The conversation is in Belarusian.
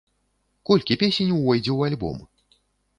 Колькі песень увойдзе ў альбом?